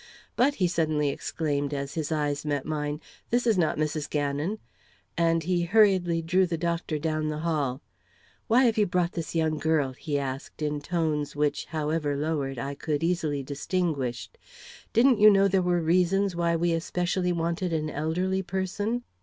"But," he suddenly exclaimed, as his eyes met mine, "this is not Mrs. Gannon." And he hurriedly drew the doctor down the hall. "Why have you brought this young girl?" he asked, in tones which, however lowered, I could easily distinguish. "Didn't you know there were reasons why we especially wanted an elderly person?"